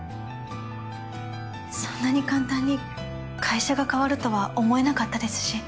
そんなに簡単に会社が変わるとは思えなかったですし。